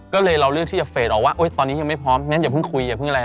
ก็เลยเราเลือกที่จะเฟสออกว่าตอนนี้ยังไม่พร้อมงั้นอย่าเพิ่งคุยอย่าเพิ่งอะไร